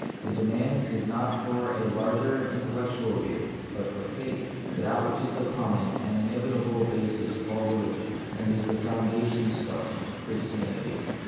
The demand is not for a larger intellectual view, but for faith ; for that which is the common and inevitable basis of all religion, and is the foundation stone of Christianity.